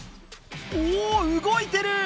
おぉ動いてる！